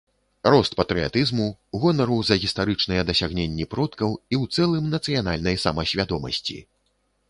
Рост патрыятызму, гонару за гістарычныя дасягненні продкаў і ў цэлым нацыянальнай самасвядомасці.